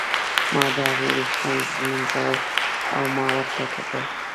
ما د هغې ویښتان ږمونځول او ما ورته کتل.